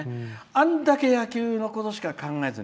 あんだけ野球のことしか考えてない。